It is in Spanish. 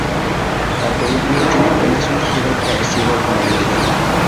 La película tiene apenas un ligero parecido con la realidad.